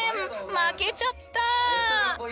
負けちゃった。